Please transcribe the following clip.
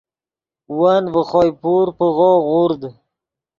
ون ڤے خوئے پور پیغو غورد